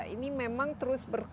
ini memang terus berkembang